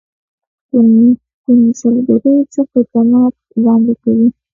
کونسلګرۍ څه خدمات وړاندې کوي؟